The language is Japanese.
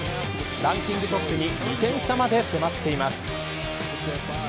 ランキングトップに２点差まで迫っています。